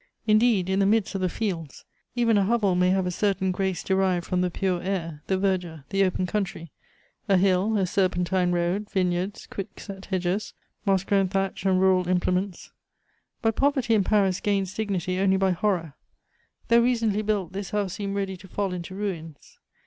Indeed, in the midst of the fields, even a hovel may have a certain grace derived from the pure air, the verdure, the open country a hill, a serpentine road, vineyards, quickset hedges, moss grown thatch and rural implements; but poverty in Paris gains dignity only by horror. Though recently built, this house seemed ready to fall into ruins.